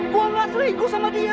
buat lah selingkuh sama dia